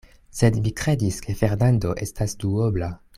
Sed mi kredis, ke Fernando estas duobla.